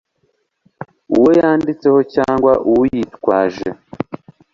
uwo yanditseho cyangwa uyitwaje